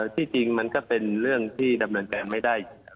ที่จริงมันก็เป็นเรื่องที่ดำเนินการไม่ได้